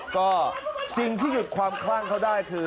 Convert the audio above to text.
ก็สิ่งที่หยุดความคลั่งเขาได้คือ